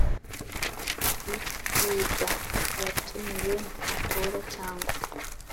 w ibyigwa Uwatumiwe ntatora cyangwa